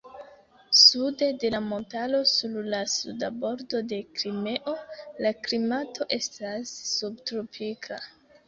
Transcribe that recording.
Sude de la montaro sur la Suda Bordo de Krimeo la klimato estas subtropika.